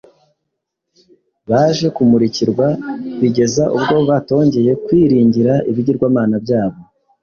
baje kumurikirwa bigeza ubwo batongeye kwiringira ibigirwamana byabo.